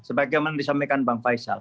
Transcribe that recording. sebagaimana disampaikan bang faisal